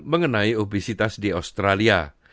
mengenai obesitas di australia